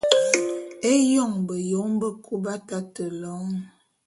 Éyoň beyom bekub b’atate lôň.